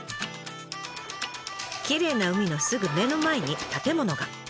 きれいな海のすぐ目の前に建物が。